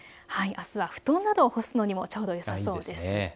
あすは布団などを干すにもちょうどよさそうです。